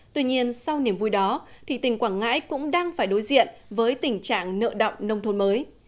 tuy nhiên sau niềm vui đó thì tỉnh quảng ngãi cũng đang phải đối diện với tình trạng nợ động nông thôn mới